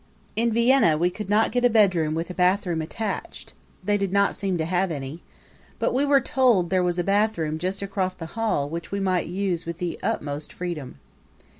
In Vienna we could not get a bedroom with a bathroom attached they did not seem to have any but we were told there was a bathroom just across the hall which we might use with the utmost freedom.